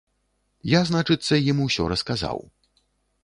Я, значыцца, ім усё расказаў.